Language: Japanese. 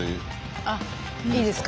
あっいいですか？